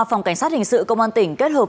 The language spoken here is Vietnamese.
phòng cảnh sát hình sự công an tỉnh kết hợp